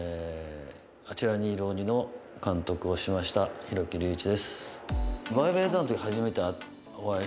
『あちらにいる鬼』の監督をしました廣木隆一です。